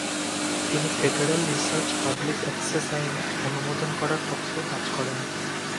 তিনি federal research public access আইন অনুমোদন করার পক্ষেও কাজ করেন।